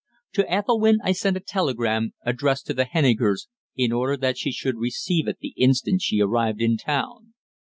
To Ethelwynn I sent a telegram addressed to the Hennikers, in order that she should receive it the instant she arrived in town.